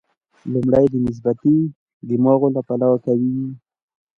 لومړی د نسبتي دماغ له پلوه قوي وي.